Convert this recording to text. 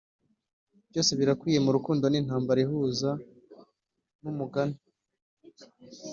byose birakwiye murukundo nintambara ihuza numugani